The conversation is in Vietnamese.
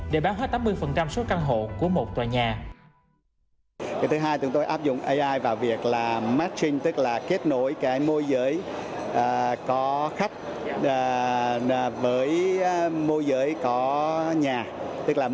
để bán hết tám mươi số căn hộ của một tòa nhà